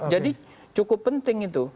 jadi cukup penting itu